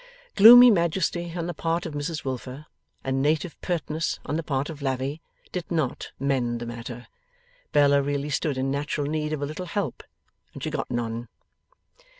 Gloomy majesty on the part of Mrs Wilfer, and native pertness on the part of Lavvy, did not mend the matter. Bella really stood in natural need of a little help, and she got none.